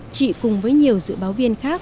chị cùng với nhiều dự báo viên khác